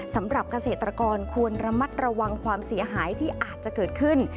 สำหรับเกษตรกรควรระมัดระวังความเสียหายที่อาจจะเกิดขึ้น